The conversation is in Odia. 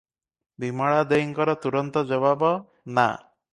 ବିମଳା ଦେଈଙ୍କର ତୁରନ୍ତ ଜବାବ, ନା ।